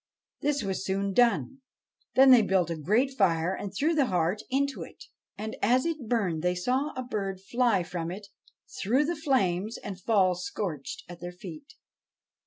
This was soon done ; then they built a great fire and threw the heart into it. And, as it burned, they saw a bird fly from it through the flames and fall scorched at their feet.